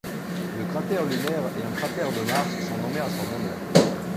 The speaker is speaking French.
Le cratère lunaire et un cratère de Mars sont nommés en son honneur.